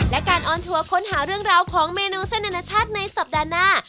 และการออนทัวร์ค้นหาเรื่องราวของเมนูเส้นอนาชาติในสัปดาห์หน้า